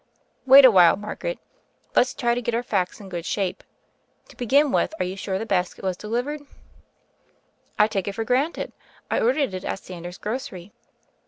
"Wait a while, Margaret. Let's try to get our facts in good shape first. To begin with, are you sure the basket was delivered?" "I take it for granted. I ordered it at Sander's grocery."